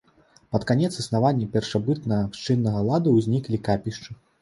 Пад канец існавання першабытнаабшчыннага ладу ўзніклі капішчы.